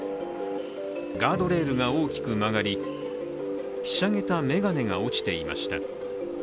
ガードレールが大きく曲がりひしゃげた眼鏡が落ちていました。